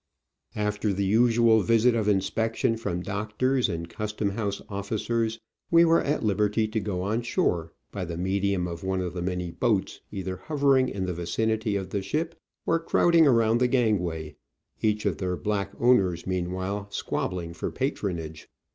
After the usual visit of inspection from doctors and custom house officers, we were at liberty to go on shore — by the medium of one of the many boats either hovering in the vicinity of the ship or crowding around the gangway, each of their black owners, mean while, squabbling for patronage.